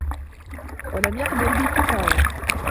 وَلَمْ يُقَدَّرْ بِالْكِفَايَةِ